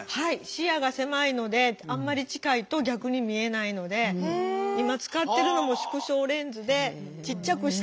視野が狭いのであんまり近いと逆に見えないので今使ってるのも縮小レンズでちっちゃくして。